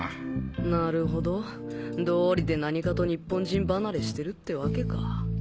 なるほどどうりで何かと日本人離れしてるってわけか